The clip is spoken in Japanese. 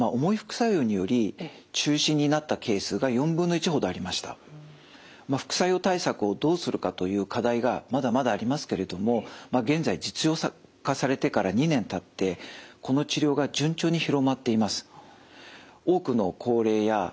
一方で副作用対策をどうするかという課題がまだまだありますけれども現在実用化されてから２年たってこの治療が順調に広まっています。